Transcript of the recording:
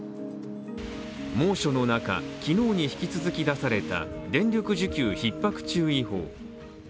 猛暑の中、昨日に引き続き出された電力需給ひっ迫注意報。